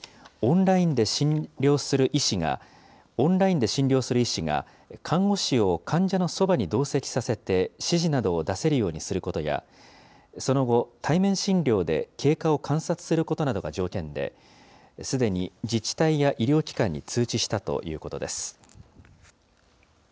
ただし、オンラインで診療する医師が、看護師を患者のそばに同席させて、指示などを出せるようにすることや、その後、対面診療で経過を観察することなどが条件で、すでに自治体や医療機関に通知したということです。